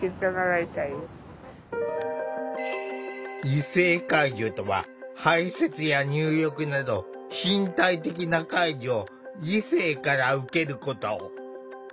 異性介助とは排せつや入浴など身体的な介助を異性から受けること。